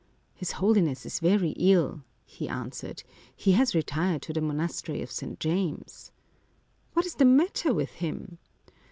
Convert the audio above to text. " His Holiness is very ill," he answered. " He has retired to the monastery of St. James." " What is the matter with him